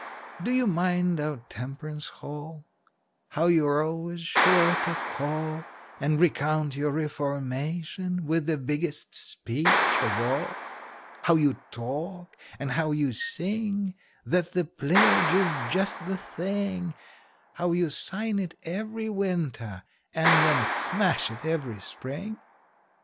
Do you mind our temperance hall? How you're always sure to call, And recount your reformation with the biggest speech of all? How you talk, and how you sing, That the pledge is just the thing How you sign it every winter, and then smash it every spring?